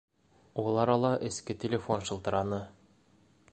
Ул арала эске телефон шылтыраны: